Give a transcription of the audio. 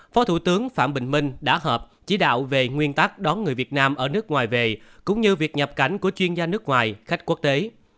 phó thủ tướng phạm bình minh đã họp chỉ đạo về nguyên tắc đón người việt nam ở nước ngoài về cũng như việc nhập cảnh của chuyên gia nước ngoài khách quốc tế